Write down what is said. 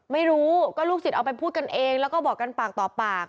ไม่รู้ก็ลูกศิษย์เอาไปพูดกันเองแล้วก็บอกกันปากต่อปาก